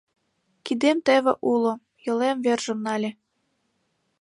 Кидем теве уло, йолем вержым нале